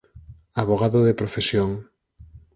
Avogado de profesión.